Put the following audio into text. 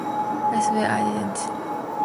I swear I didn't.